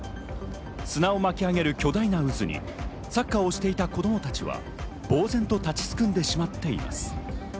砂を巻き上げる巨大な渦にサッカーをしていた子供たちは呆然と立ちすくんでしまっています。